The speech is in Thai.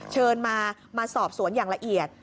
เชิญมาสอบสวนอย่างละเอียด